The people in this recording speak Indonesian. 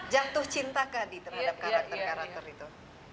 jatuh cinta kah di terhadap karakter karakter itu